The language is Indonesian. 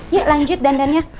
yuk lanjut dandannya